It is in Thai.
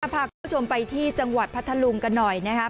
พาคุณผู้ชมไปที่จังหวัดพัทธลุงกันหน่อยนะครับ